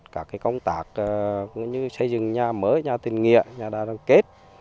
công tác cũng như xây dựng nhà mới nhà tình nghiệp nhà đa đoàn kết